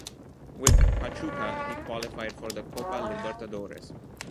With Pachuca, he qualified for the Copa Libertadores.